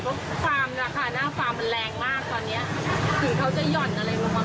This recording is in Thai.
เพราะความราคาหน้าความมันแรงมากตอนเนี้ยคือเขาจะหย่อนอะไรลงมาบ้าง